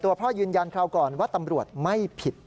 พ่อยืนยันคราวก่อนว่าตำรวจไม่ผิด